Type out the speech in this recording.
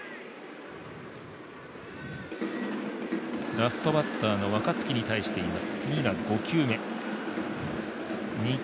ラストバッターの若月に対しています。